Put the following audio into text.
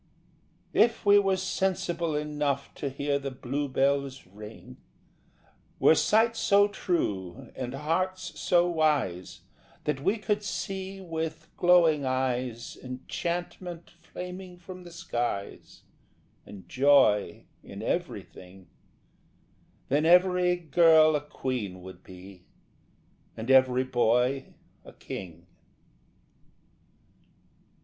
If we were sensible enough To hear the bluebells ring, Were sight so true and hearts so wise That we could see with glowing eyes Enchantment flaming from the skies And joy in everything, Then every girl a queen would be, And every boy a king.